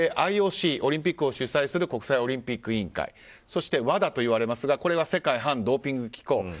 ＩＯＣ、オリンピックを主催する国際オリンピック委員会そしてＷＡＤＡといわれますが世界反ドーピング機構。